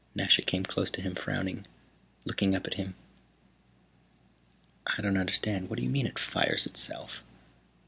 Nasha came close to him, frowning, looking up at him. "I don't understand. What do you mean, it fires itself?"